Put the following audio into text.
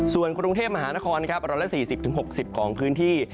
ส่วนกรุงเทพมหานคร๑๔๐๖๐ของพื้นที่